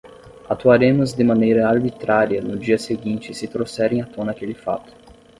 Atuaremos de maneira arbitrária no dia seguinte se trouxerem à tona aquele fato